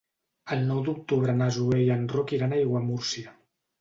El nou d'octubre na Zoè i en Roc iran a Aiguamúrcia.